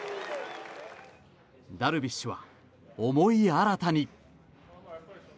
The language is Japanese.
ダルビッシュは思い新たに。